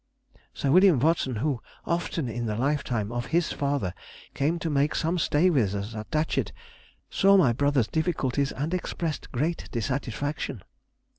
Sir William Watson, who often in the lifetime of his father came to make some stay with us at Datchet, saw my brother's difficulties, and expressed great dissatisfaction.